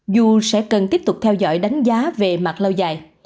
dù sẽ cần tiếp tục theo dõi đánh giá về mặt lâu dài